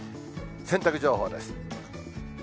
洗濯情報です。